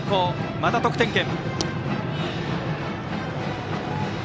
また得点圏。